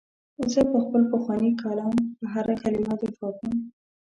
زه پر خپل پخواني کالم پر هره کلمه دفاع کوم.